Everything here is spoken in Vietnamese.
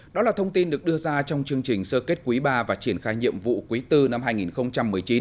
đó là thông tin được đưa ra trong chương trình sơ kết quý ba và triển khai nhiệm vụ quý bốn năm hai nghìn một mươi chín